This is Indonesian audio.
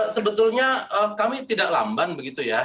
sebetulnya kami tidak lamban begitu ya